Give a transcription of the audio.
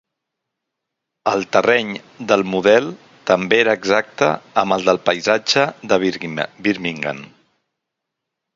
El terreny del model també era exacte amb el del paisatge de Birmingham.